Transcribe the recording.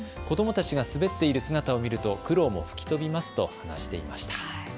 子どもたちが滑っている姿を見ると苦労も吹き飛びますと話していました。